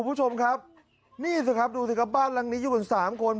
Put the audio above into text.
คุณผู้ชมครับนี่สิครับดูสิครับบ้านหลังนี้อยู่กันสามคน